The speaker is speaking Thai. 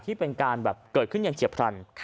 ที่เป็นการแบบเกิดขึ้นอย่างเฉียบพลัน